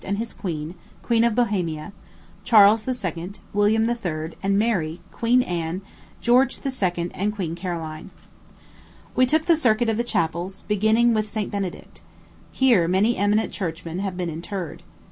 and his queen, Queen of Bohemia, Charles II., William III. and Mary, Queen Anne, George II. and Queen Caroline. We took the circuit of the chapels, beginning with St. Benedict. Here many eminent churchmen have been interred.